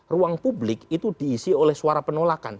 ruang publik itu diisi oleh suara penolakan